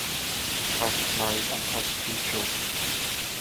Prout is married and has three children.